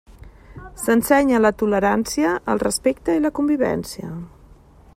S'ensenya la tolerància, el respecte i la convivència.